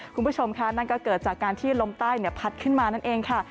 คุณผู้ชมค่ะนั่นก็เกิดจากการที่ลมใต้พัดขึ้นมานั่นเองค่ะ